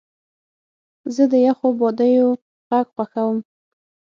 زه د یخو بادیو غږ خوښوم.